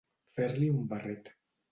Fer-li un barret.